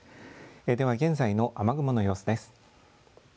では現在の雨雲の様子です。